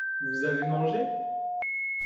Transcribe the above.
Vous avez mangé ?